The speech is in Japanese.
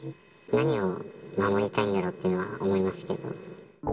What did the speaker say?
何を守りたいんだろうっていうのは思いますけど。